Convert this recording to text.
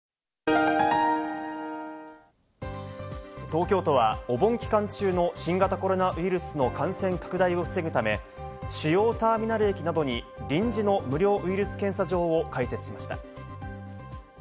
東京都はお盆期間中の新型コロナウイルスの感染拡大を防ぐため、主要ターミナル駅などに臨時の無料ウイルス検査場を開設しました。